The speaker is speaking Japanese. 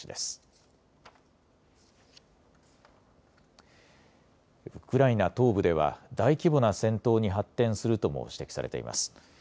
ウクライナ東部では大規模な戦闘に発展するとも指摘されています。